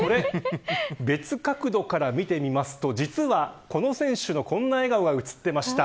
別角度から見ていくとこの選手のこんな笑顔が映っていました。